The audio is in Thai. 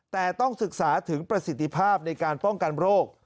แต่ต้องศึกษาถึงประสิทธิภาพในการป้องกันโรค